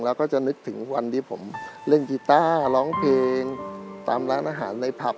แล้วก็จะนึกถึงวันที่ผมเล่นกีต้าร้องเพลงตามร้านอาหารในผับ